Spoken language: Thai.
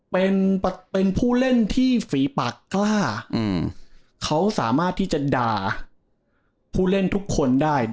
เป็นเป็นผู้เล่นที่ฝีปากกล้าเขาสามารถที่จะด่าผู้เล่นทุกคนได้